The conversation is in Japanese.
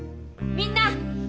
みんな！